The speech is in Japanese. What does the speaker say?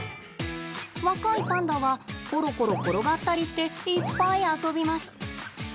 若いパンダはコロコロ転がったりしていっぱい遊びます。